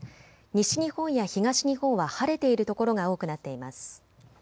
西日本や東日本は晴れているところが多くなっています。